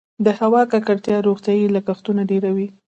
د هوا ککړتیا روغتیايي لګښتونه ډیروي؟